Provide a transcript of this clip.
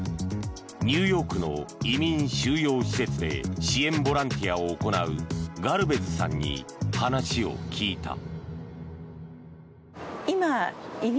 ニューヨークの移民収容施設で支援ボランティアを行うガルベズさんに話を聞いた。